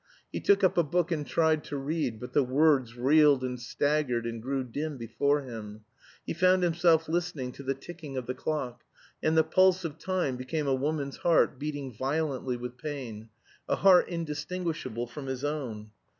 He took up a book and tried to read; but the words reeled and staggered and grew dim before him; he found himself listening to the ticking of the clock, and the pulse of time became a woman's heart beating violently with pain, a heart indistinguishable from his own.